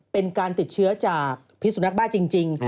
เป็นการติดเชื้อจากพิสุนักบ้าจริง